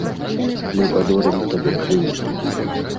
Мы падорым табе крылы.